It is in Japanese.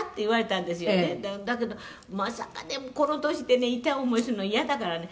「だけどまさかでもこの年でね痛い思いするのイヤだからね